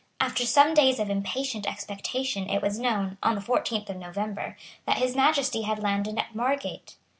After some days of impatient expectation it was known, on the fourteenth of November, that His Majesty had landed at Margate.